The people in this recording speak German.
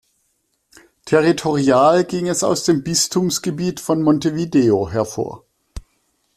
Territorial ging es aus dem Bistumsgebiet von Montevideo hervor.